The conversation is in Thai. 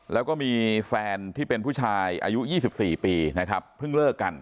แล้วก็มีแฟนที่เป็นผู้ชายอายุ๒๔ปีนะครับเพิ่งเลิกกัน